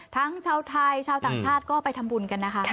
ชาวไทยชาวต่างชาติก็ไปทำบุญกันนะคะ